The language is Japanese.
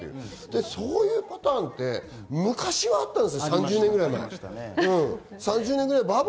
そういうパターンって昔はあったんですよ、３０年前。